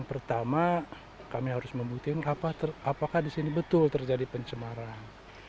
pertama kami harus membuktikan apakah di sini betul terjadi pencemaran